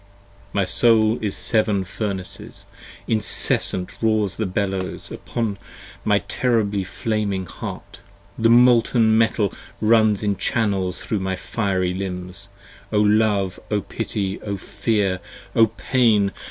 My soul is seven furnaces, incessant roars the bellows Upon my terribly flaming heart, the molten metal runs In channels thro' my fiery limbs: O love, O pity, O fear, 55 O pain!